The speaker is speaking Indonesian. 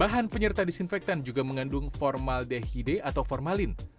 bahan penyerta disinfektan juga mengandung formaldehide atau formalin